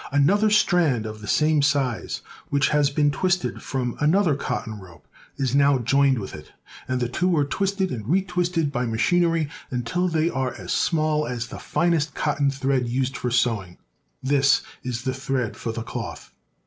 An other strand of the same size, which has been twisted from another cotton rope, is now joined with it, and the two are twisted and retwisted by machinery until they are as small as the finest cotton thread used for sewing. This is the thread for the cloth.